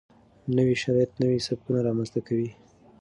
نوي شرایط نوي سبکونه رامنځته کوي.